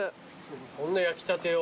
こんな焼きたてを。